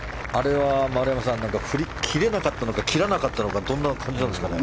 振り切れなかったのか振り切らなかったのかどんな感じなんですかね？